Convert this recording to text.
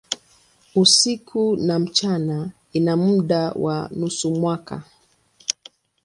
Usiku na mchana ina muda wa nusu mwaka.